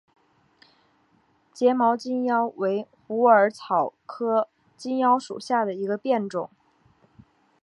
睫毛金腰为虎耳草科金腰属下的一个变种。